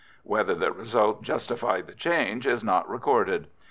Whether the result justified the change is not recorded.